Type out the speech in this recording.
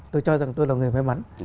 tôi cho rằng tôi là người may mắn